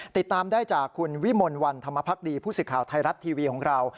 ติดตามได้จากคุณวิมลวันธรรมพักดีผู้สื่อข่าวไทยรัฐทีวีของเรา